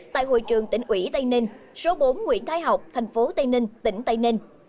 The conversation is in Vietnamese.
tại hội trường tỉnh ủy tây ninh số bốn nguyễn thái học thành phố tây ninh tỉnh tây ninh